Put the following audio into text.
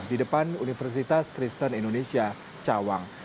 di depan universitas kristen indonesia cawang